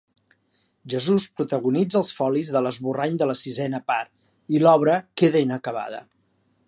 Jesús protagonitza els folis de l'esborrany de la sisena part i l'obra queda inacabada.